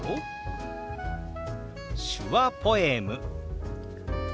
「手話ポエム」。